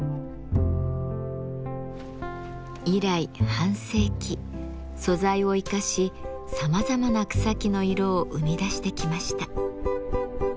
以来半世紀素材を生かしさまざまな草木の色を生み出してきました。